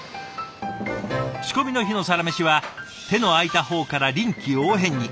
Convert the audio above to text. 仕込みの日のサラメシは手の空いた方から臨機応変に。